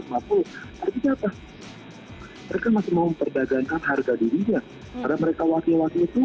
mereka masih memperdagangkan harga dirinya karena mereka wakil wakil tuhan